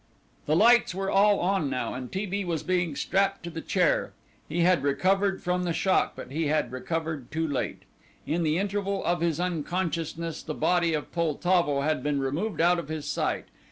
The lights were all on now, and T. B. was being strapped to the chair. He had recovered from the shock, but he had recovered too late. In the interval of his unconsciousness the body of Poltavo had been removed out of his sight.